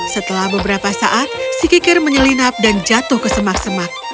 setelah beberapa saat si kikir menyelinap dan jatuh ke semak semak